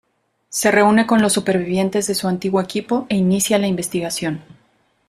Se reúne con los supervivientes de su antiguo equipo e inicia la investigación.